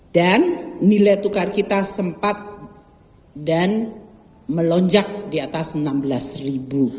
dan nilai tukar kita sempat dan melonjak di atas enam belas ribu